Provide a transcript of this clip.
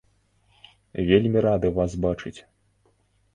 Вельмі рады вас бачыць!